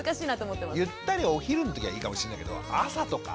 ゆったりお昼のときはいいかもしれないけど朝とか。